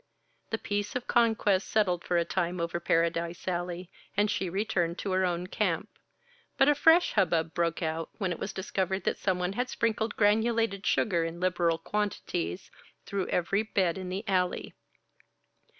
The peace of conquest settled for a time over Paradise Alley, and she returned to her own camp. But a fresh hub bub broke out, when it was discovered that someone had sprinkled granulated sugar, in liberal quantities, through every bed in the Alley.